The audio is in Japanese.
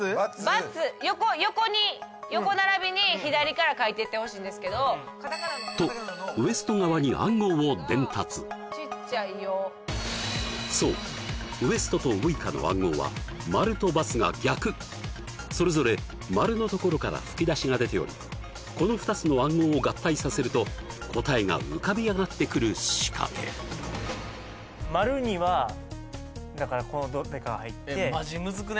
バツ横に横並びに左から書いていってほしいんですけどとＷＥＳＴ側に暗号を伝達そうＷＥＳＴとウイカの暗号は丸とバツが逆それぞれ丸のところから吹き出しが出ておりこの２つの暗号を合体させると答えが浮かび上がってくる仕掛け丸にはだからこのどれかが入っててマジむずくね？